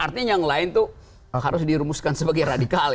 artinya yang lain tuh harus dirumuskan sebagai radikal